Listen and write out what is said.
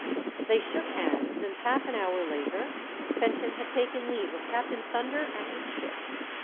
They shook hands, and half an hour later 520 THE DEATH SHIP. Fenton had taken leave of Captain Thunder and his ship.